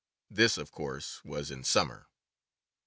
This, of course, was in summer.